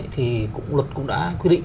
thì luật cũng đã quy định